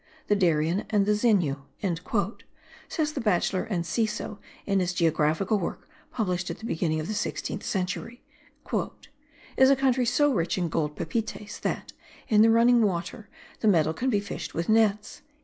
"The Darien and the Zenu," says the bachelor Enciso in his geographical work published at the beginning of the sixteenth century, "is a country so rich in gold pepites that, in the running waters, that metal can be fished with nets."